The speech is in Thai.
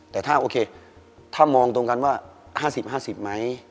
แต่ถ้าโอเคถ้ามองตรงกันว่า๕๐๕๐ไหม